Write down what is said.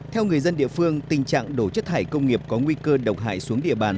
theo người dân địa phương tình trạng đổ chất thải công nghiệp có nguy cơ độc hại xuống địa bàn